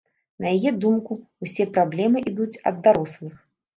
На яе думку, усе праблемы ідуць ад дарослых.